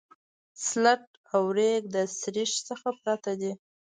سلټ او ریګ د سریښ څخه پرته دي